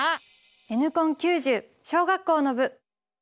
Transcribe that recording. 「Ｎコン９０」小学校の部！